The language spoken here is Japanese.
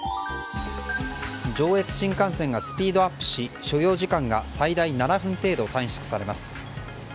上越新幹線がスピードアップし所要時間が最大７分程度短縮されます。